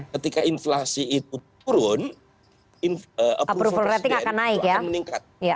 ketika inflasi itu turun approval presiden akan meningkat